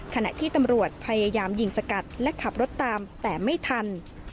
ขณะที่ตำรวจพยายามยิงสกัดและขับรถตามแต่ไม่ทัน